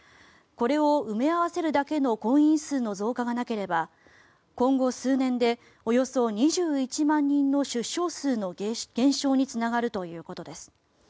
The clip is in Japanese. これを埋め合わせるだけの婚姻数の増加がなければ今後、数年でおよそ２１万人の出生数の減少につながるということです。